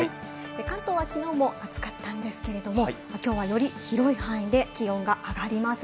関東は昨日も暑かったんですけど、今日はより広い範囲で気温が上がります。